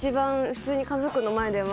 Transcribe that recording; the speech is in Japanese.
普通に家族の前では。